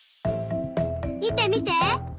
みてみて。